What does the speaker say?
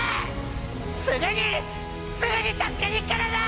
すぐにすぐに助けに行くからな！